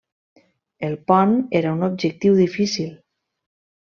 El pont era un objectiu difícil.